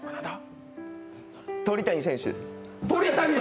鳥谷選手です。